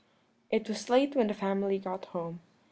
It was late when the family got home.